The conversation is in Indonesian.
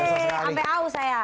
sampai haus saya